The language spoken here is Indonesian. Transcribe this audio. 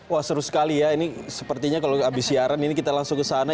wah seru sekali ya ini sepertinya kalau habis siaran ini kita langsung ke sana